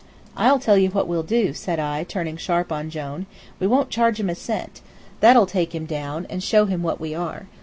"I'll tell you what we'll do," said I, turning sharp on Jone, "we won't charge him a cent. That'll take him down, and show him what we are.